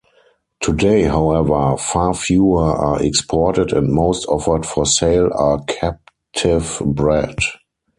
Today, however, far fewer are exported, and most offered for sale are captive bred.